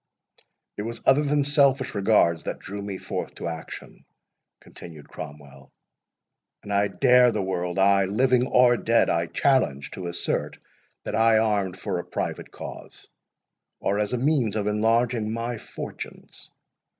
"It was other than selfish regards that drew me forth to action," continued Cromwell, "and I dare the world—ay, living or dead I challenge—to assert that I armed for a private cause, or as a means of enlarging my fortunes.